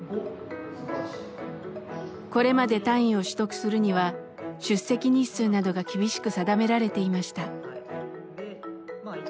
これまで単位を取得するには出席日数などが厳しく定められていました。